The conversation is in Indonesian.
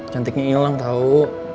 cantiknya ilang tau